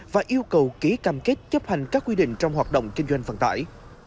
và yêu cầu ký cam kết chấp hành các quy định trong hoạt động kinh doanh vận tải